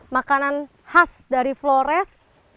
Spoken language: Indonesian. makanan khas dari flores